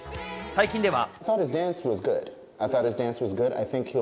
最近では。